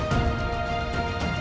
kepala masyarakat di indonesia